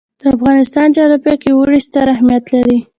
د افغانستان جغرافیه کې اوړي ستر اهمیت لري.